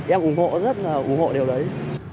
em ủng hộ rất là ủng hộ điều đấy